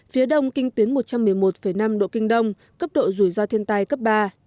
phía đông kinh tuyến một trăm một mươi một năm độ kinh đông cấp độ rủi ro thiên tai cấp ba